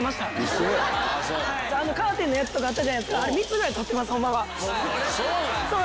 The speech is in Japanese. カーテンのやつとかあったじゃないですか。